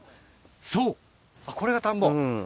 そうこれが田んぼ？